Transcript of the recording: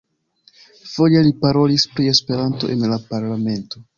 Foje li parolis pri Esperanto en la parlamento.